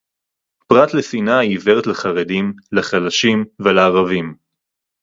פרט לשנאה העיוורת לחרדים, לחלשים ולערבים